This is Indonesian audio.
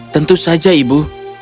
tentu saja ibu